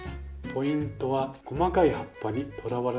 ポイントは細かい葉っぱにとらわれないことです。